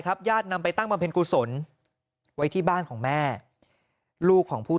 ญาตินำไปตั้งบำเพ็ญกุศลไว้ที่บ้านของแม่ลูกของผู้